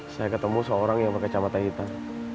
saya ketemu seorang yang pake camatah hitam